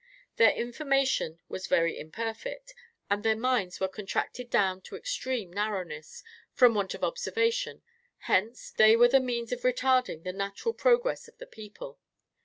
Their information was very imperfect, and their minds were contracted down to extreme narrowness, from want of observation; hence, they were the means of retarding the natural progress of the people.